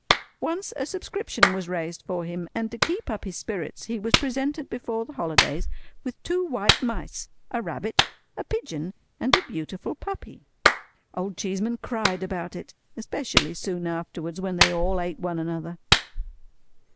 Once a subscription was raised for him; and, to keep up his spirits, he was presented before the holidays with two white mice, a rabbit, a pigeon, and a beautiful puppy. Old Cheeseman cried about it—especially soon afterwards, when they all ate one another.